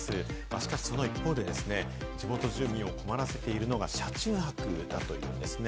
しかし、その一方で、地元住民を困らせているのが車中泊だというんですね。